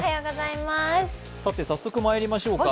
早速まいりましょうか。